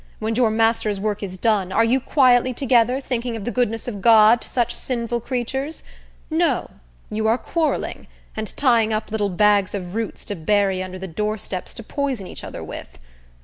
When your master's work is done, are you quietly together, thinking of the goodness of God to such sinful creatures? No; you are quarrelling, and tying up little bags of roots to bury under the doorsteps to poison each other with.